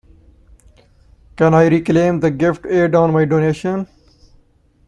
Can I reclaim the gift aid on my donation?